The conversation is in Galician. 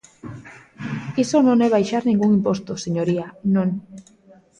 Iso non é baixar ningún imposto, señoría, non.